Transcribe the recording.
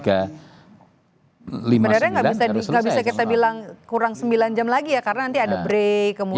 sebenarnya nggak bisa kita bilang kurang sembilan jam lagi ya karena nanti ada break kemudian